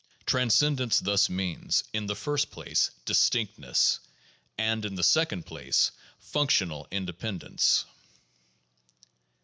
Transcendence thus means, in the first place, distinctness and, in the second place, functional independence.